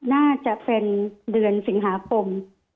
น่าจะเป็นเดือนสิงหาคม